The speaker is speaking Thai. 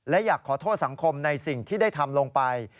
และอยากขอโทษสังคมในสิ่งที่ได้ทำลงไป